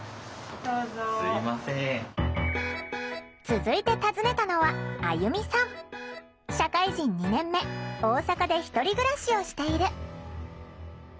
続いて訪ねたのは社会人２年目大阪で１人暮らしをしている。